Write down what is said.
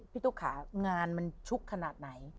ตุ๊กขางานมันชุกขนาดไหน